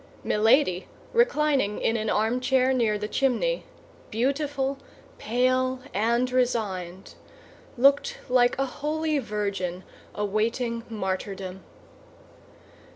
Milady, reclining in an armchair near the chimney, beautiful, pale, and resigned, looked like a holy virgin awaiting martyrdom.